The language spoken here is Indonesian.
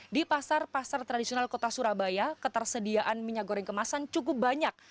di pasar pasar tradisional kota surabaya ketersediaan minyak goreng kemasan cukup banyak